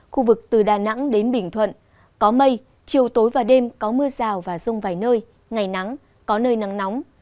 khu vực từ đà nẵng đến bình thuận có mây chiều tối và đêm có mưa rào và rông vài nơi ngày nắng có nơi nắng nóng